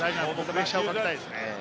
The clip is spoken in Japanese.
プレッシャーをかけたいですね。